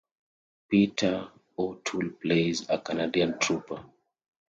Peter O'Toole plays a Canadian trooper.